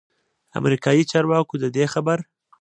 امریکايي چارواکو ددې خبر